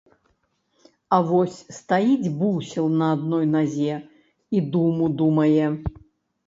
А вось стаіць бусел на адной назе і думу думае.